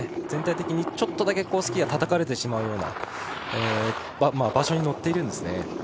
全体的にちょっとだけスキーがたたかれてしまうような場所に乗っているんですね。